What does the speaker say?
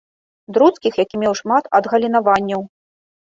Друцкіх, які меў шмат адгалінаванняў.